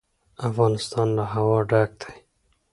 افغانستان له هوا ډک دی.